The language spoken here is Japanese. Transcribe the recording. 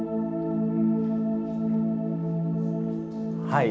はい。